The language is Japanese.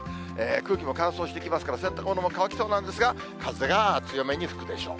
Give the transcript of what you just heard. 空気も乾燥してきますから、洗濯物も乾きそうなんですが、風が強めに吹くでしょう。